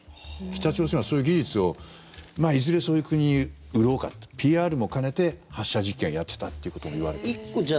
北朝鮮は、そういう技術をいずれそういう国に売ろうかっていうＰＲも兼ねて発射実験をやっていたってこともいわれたんです。